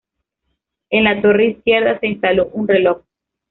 En la torre izquierda se instaló un reloj.